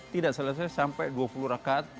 tidak selesai sampai dua puluh rakat